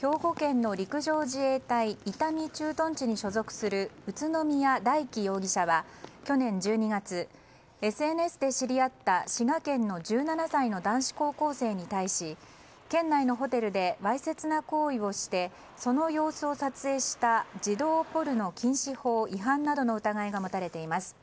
兵庫県の陸上自衛隊伊丹駐屯地に所属する宇都宮大輝容疑者は去年１２月ＳＮＳで知り合った、滋賀県の１７歳の男子高校生に対し県内のホテルでわいせつな行為をしてその様子を撮影した児童ポルノ禁止法違反などの疑いが持たれています。